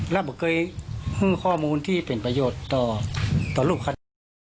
ง่ายภื้นข้อมูลที่เป็นประโยชน์